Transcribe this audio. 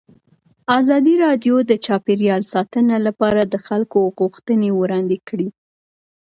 ازادي راډیو د چاپیریال ساتنه لپاره د خلکو غوښتنې وړاندې کړي.